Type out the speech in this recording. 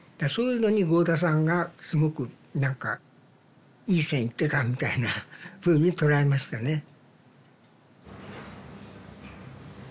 そういうのに合田さんがすごく何かいい線いってたみたいなふうに捉えましたね。